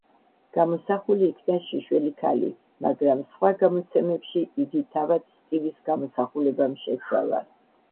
გამოსახული იქნა შიშველი ქალი, მაგრამ სხვა გამოცემებში იგი თავად სტივის გამოსახულებამ შეცვალა.